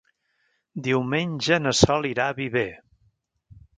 Diumenge na Sol irà a Viver.